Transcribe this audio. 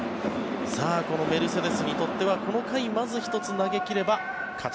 このメルセデスにとってはこの回、まず１つ投げ切れば勝ち